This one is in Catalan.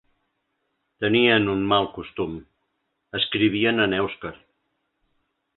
Tenien un mal costum, escrivien en èuscar.